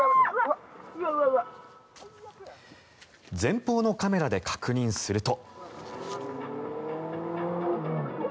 前方のカメラで確認すると。